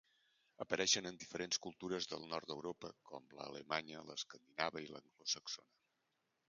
Apareixen en diferents cultures del nord d'Europa, com l'alemanya, l'escandinava i l'anglosaxona.